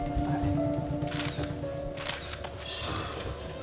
はい。